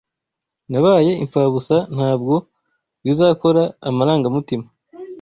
Nabaye impfabusa Ntabwo bizakora Amarangamutima